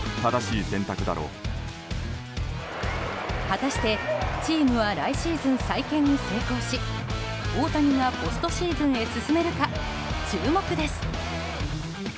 果たして、チームは来シーズン再建に成功し大谷がポストシーズンへ進めるか注目です。